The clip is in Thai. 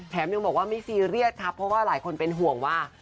ยังบอกว่าไม่ซีเรียสครับเพราะว่าหลายคนเป็นห่วงว่า